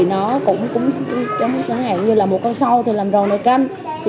nó cũng giống như một con sâu làm ròn đầy canh